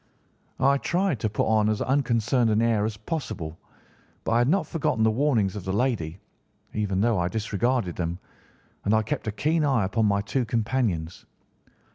I tried to put on as unconcerned an air as possible, but I had not forgotten the warnings of the lady, even though I disregarded them, and I kept a keen eye upon my two companions.